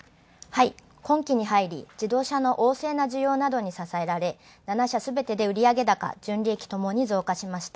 今期に入り自動車の旺盛な需要に支えられ、７社すべてで売上高純利益ともに増加しました。